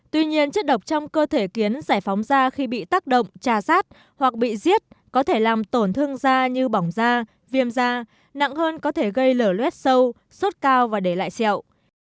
tuy nhiên chất độc trong cơ thể kiến giải phóng da khi bị tác động trà sát hoặc bị giết có thể làm tổn thương da như bỏng da viêm da nặng hơn có thể gây lở luet sâu sốt cao và để lại sẹo